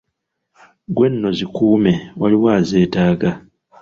"Gwe nno zikuume , waliwo azeetaaga."